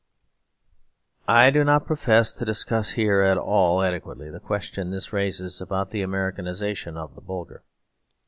I do not profess to discuss here at all adequately the question this raises about the Americanisation of the Bulgar.